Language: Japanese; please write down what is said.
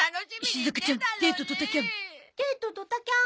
デートドタキャン。